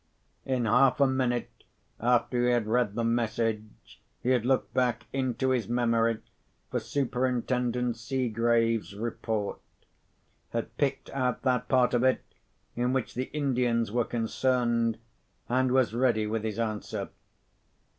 In half a minute after he had read the message, he had looked back into his memory for Superintendent Seegrave's report; had picked out that part of it in which the Indians were concerned; and was ready with his answer.